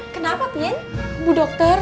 kang datang bu dokter